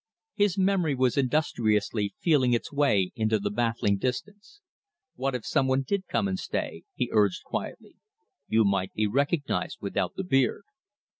His memory was industriously feeling its way into the baffling distance. "What if some one did come and stay?" he urged quietly. "You might be recognised without the beard."